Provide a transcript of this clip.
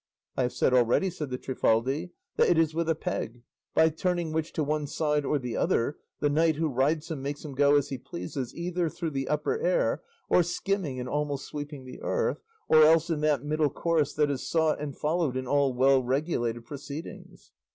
"I have said already," said the Trifaldi, "that it is with a peg, by turning which to one side or the other the knight who rides him makes him go as he pleases, either through the upper air, or skimming and almost sweeping the earth, or else in that middle course that is sought and followed in all well regulated proceedings."